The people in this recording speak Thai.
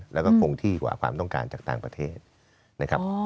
แล้วก็คงที่กว่าความต้องการจากต่างประเทศนะครับ